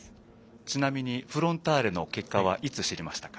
ちなみにフロンターレの結果は結果はいつ知りましたか？